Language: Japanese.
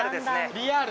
リアル。